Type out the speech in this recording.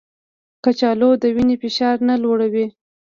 کچالو د وینې فشار نه لوړوي